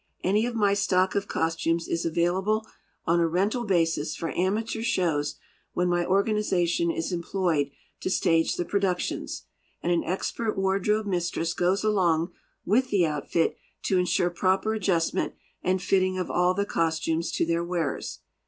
Any of my stock of costumes is available on a rental basis for amateur shows when my organization is employed to stage the productions, and an expert wardrobe mistress goes along with the outfit to insure proper adjustment and fitting of all the costumes to their wearers.